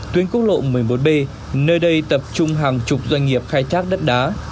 tuyến quốc lộ một mươi bốn b nơi đây tập trung hàng chục doanh nghiệp khai trác đất đá